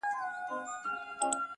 بیا یې د ایپي د مورچلونو ډېوې بلي کړې!.